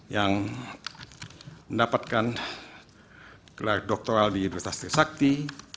yang mendapatkan doktoral di universitas trisakti